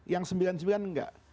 yang sembilan puluh sembilan enggak